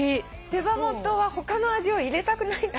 手羽元は他の味を入れたくない。